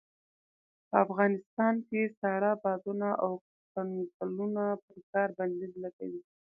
په افغانستان کې ساړه بادونه او کنګلونه پر کار بنديز لګوي.